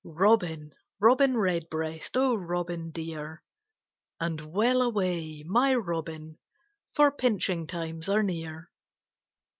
Robin, Robin Redbreast, O Robin dear! And welaway! my Robin, For pinching times are near.